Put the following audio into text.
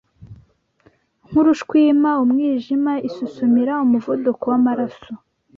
nk’urushwima, umwijima, isusumira, umuvuduko w’amaraso,